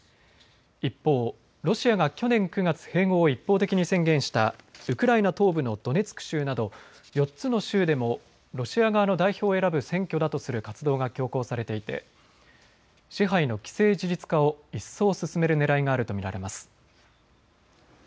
一方、ロシアが去年９月併合を一方的に宣言したウクライナ東部のドネツク州など４つの州でもロシア側の代表を選ぶ選挙だとする活動が強行されていて支配の既成事実化を一層進めるねらいがあると見られます。